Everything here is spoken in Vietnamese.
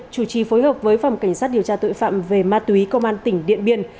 chủ trì phối hợp với phòng cảnh sát điều tra tội phạm về ma túy công an tỉnh điện biên